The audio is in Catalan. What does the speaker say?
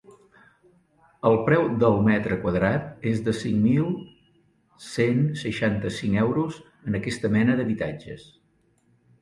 El preu del metre quadrat és de cinc mil cent seixanta-cinc euros en aquesta mena d’habitatges.